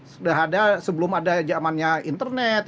sudah ada sebelum ada zamannya internet